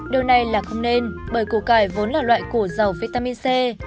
điều này là không nên bởi củ cải vốn là loại củ giàu vitamin c